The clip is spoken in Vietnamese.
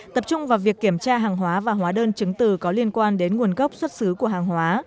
tập trung vào việc kiểm tra hàng hóa và hóa đơn chứng từ có liên quan đến nguồn gốc xuất xứ của hàng hóa